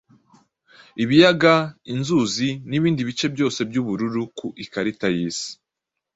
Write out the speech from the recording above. ibiyaga, inzuzi, nibindi bice byose byubururu ku ikarita yisi.